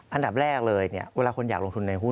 อันดับแรกเลยเวลาคนอยากลงทุนในหุ้น